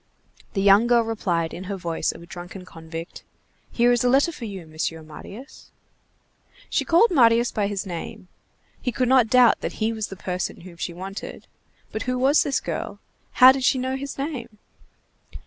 The young girl replied in her voice of a drunken convict:— "Here is a letter for you, Monsieur Marius." She called Marius by his name; he could not doubt that he was the person whom she wanted; but who was this girl? How did she know his name?